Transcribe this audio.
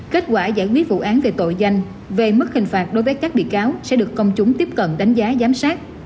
kết quả giải quyết vụ án về tội danh về mức hình phạt đối với các bị cáo sẽ được công chúng tiếp cận đánh giá giám sát